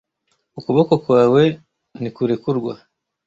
Ukuboko kwawe ntikurekurwa